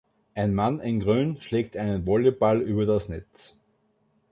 Ein Mann in Grün schlägt einen Volleyball über das Netz.